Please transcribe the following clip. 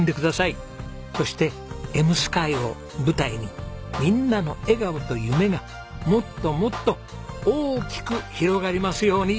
そして笑夢空を舞台にみんなの笑顔と夢がもっともっと大きく広がりますように。